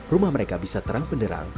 rumah mereka bisa terang penderang